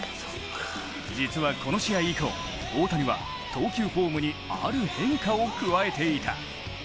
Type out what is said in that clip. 実はこの試合以降、大谷は投球フォームにある変化を加えていた。